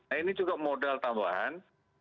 nah ini juga modal tambahan